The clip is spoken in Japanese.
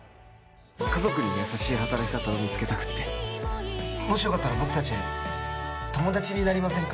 家族に優しい働き方を見つけたくってもしよかったら僕たち友達になりませんか？